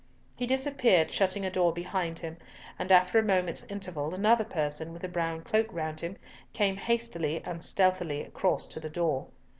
He disappeared, shutting a door behind him, and after a moment's interval another person, with a brown cloak round him, came hastily and stealthily across to the door.